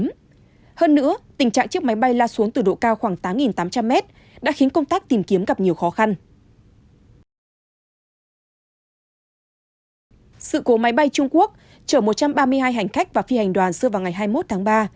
sự cố máy bay trung quốc chở một trăm ba mươi hai hành khách và phi hành đoàn xưa vào ngày hai mươi một tháng ba